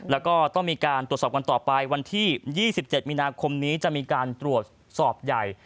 แล้วก็ต้องมีการตรวจสอบกันต่อไปวันที่๒๗มีนาคมนี้จะมีการตรวจสอบใหญ่